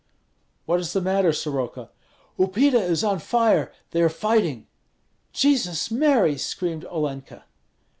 "What is the matter, Soroka?" "Upita is on fire; they are fighting!" "Jesus Mary!" screamed Olenka.